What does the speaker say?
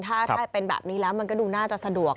ถ้าเป็นแบบนี้แล้วมันก็ดูน่าจะสะดวก